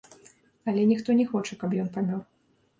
Але ніхто не хоча, каб ён памёр.